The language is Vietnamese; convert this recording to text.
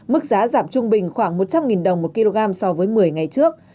mức giá giảm trung bình khoảng một trăm linh đồng một kg so với một mươi ngày trước